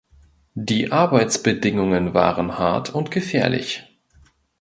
Die Arbeitsbedingungen waren hart und gefährlich.